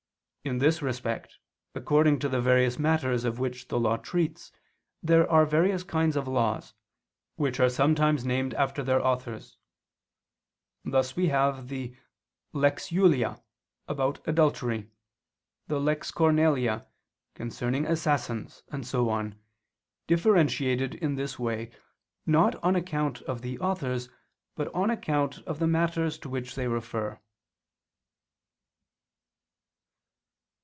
In this respect, according to the various matters of which the law treats, there are various kinds of laws, which are sometimes named after their authors: thus we have the Lex Julia about adultery, the Lex Cornelia concerning assassins, and so on, differentiated in this way, not on account of the authors, but on account of the matters to which they refer.